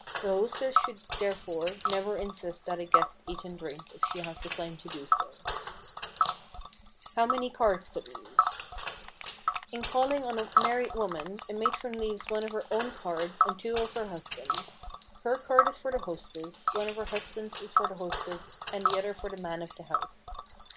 The hostess should, therefore, never insist that a guest eat and drink if she has declined to do so. [Sidenote: HOW MANY CARDS TO LEAVE] In calling on a married woman a matron leaves one of her own cards and two of her husband's. Her card is for the hostess, one of her husband's is for the hostess and the other for the man of the house.